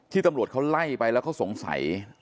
ที่ตำรวจเขาไล่ไปแล้วก็สงสัย